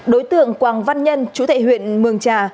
đối tượng quảng văn nhân chú tại huyện mường trà